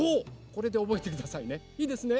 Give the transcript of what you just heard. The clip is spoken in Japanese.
これでおぼえてくださいねいいですね。